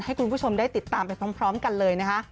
ให้คุณผู้ชมได้ติดตามไปพร้อมกันเลยนะคะ